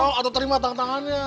tunggu aku terima tantangannya